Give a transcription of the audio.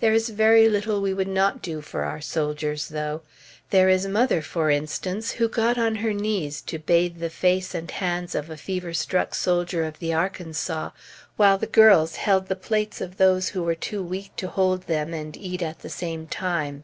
There is very little we would not do for our soldiers, though. There is mother, for instance, who got on her knees to bathe the face and hands of a fever struck soldier of the Arkansas, while the girls held the plates of those who were too weak to hold them and eat at the same time.